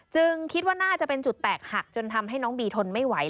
คิดว่าน่าจะเป็นจุดแตกหักจนทำให้น้องบีทนไม่ไหว